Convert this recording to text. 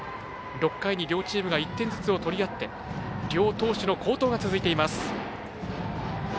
６回に両チームが１点ずつを取り合って両投手の好投が続いています。